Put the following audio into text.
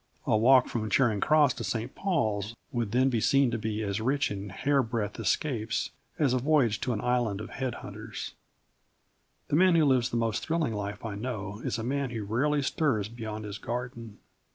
A walk from Charing Cross to St Paul's would then be seen to be as rich in hairbreadth escapes as a voyage to an island of head hunters. The man who lives the most thrilling life I know is a man who rarely stirs beyond his garden.